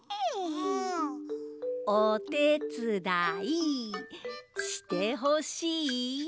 おてつだいしてほしい？